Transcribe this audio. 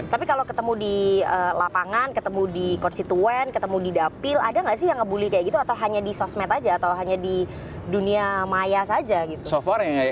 tapi kalau ketemu di lapangan ketemu di konstituen ketemu di dapil ada nggak sih yang ngebully kayak gitu atau hanya di sosmed aja atau hanya di dunia maya saja gitu